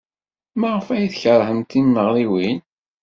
Maɣef ay keṛhent timeɣriwin?